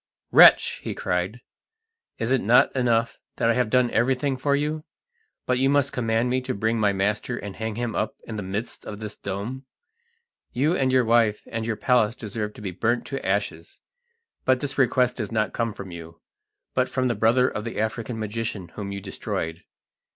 "Wretch!" he cried, "is it not enough that I have done everything for you, but you must command me to bring my master and hang him up in the midst of this dome? You and your wife and your palace deserve to be burnt to ashes; but this request does not come from you, but from the brother of the African magician whom you destroyed.